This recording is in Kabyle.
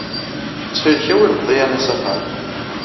Ttxil-k, awi lqeḍyan-a s axxam.